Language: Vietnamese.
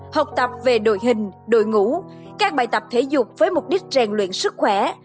học tập về đội hình đội ngũ các bài tập thể dục với mục đích rèn luyện sức khỏe